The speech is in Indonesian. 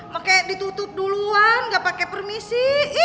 maka ditutup duluan gak pake permisi